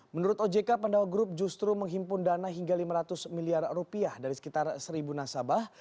menurut ojk pandawa group justru menghimpun dana hingga lima ratus miliar rupiah dari sekitar seribu nasabah